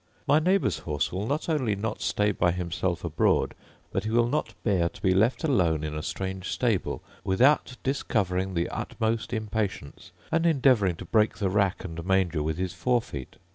My neighbour's horse will not only not stay by himself abroad, but he will not bear to be left alone in a strange stable without discovering the utmost impatience, and endeavouring to break the rack and manger with his fore feet.